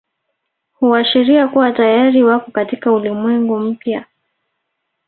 Huashiria kuwa tayari wako katika ulimwengu mpya